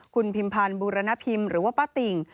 คุณพิมพันธ์บูรณพิมพ์หรือว่าป้าติ่ง